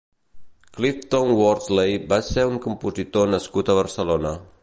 Clifton Worsley va ser un compositor nascut a Barcelona.